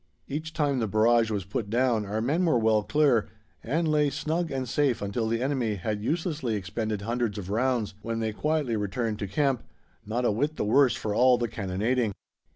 Each time the barrage was put down our men were well clear, and lay snug and safe until the enemy had uselessly expended hundreds of rounds, when they quietly returned to camp, not a whit the worse for all the cannonading.